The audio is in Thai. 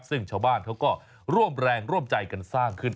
ซึ่งชาวบ้านเขาก็ร่วมแรงร่วมใจกันสร้างขึ้น